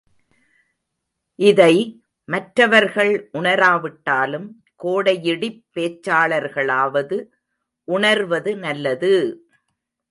இதை மற்றவர்கள் உணராவிட்டாலும் கோடையிடிப் பேச்சாளர்களாவது உணர்வது நல்லது!